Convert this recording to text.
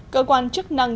cơ quan chức năng